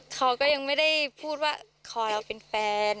เขาก็ยังไม่ได้พูดว่าคอยเราเป็นแฟน